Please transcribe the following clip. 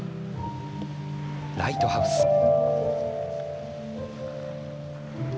「ライトハウス」。